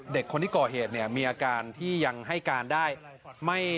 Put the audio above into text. เด็กคนที่ก่อเหตุเนี่ยมีอาการที่ยังให้การได้